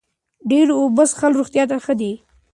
ډېرې اوبه څښل روغتیا ته ښه دي.